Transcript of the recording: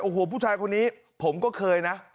โอ้โหผู้ชายคนนี้ผมก็เคยนะ